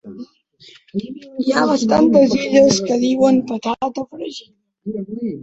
No hi ha moltes illes en les seves vores.